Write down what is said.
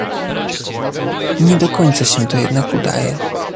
Nie do końca się to jednak udaje